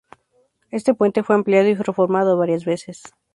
Este puente fue ampliado y reformado varias veces.